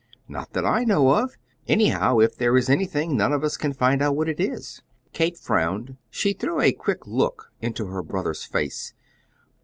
"Not that I know of. Anyhow, if there is anything, none of us can find out what it is." Kate frowned. She threw a quick look into her brother's face.